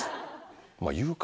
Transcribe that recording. まぁ言うか。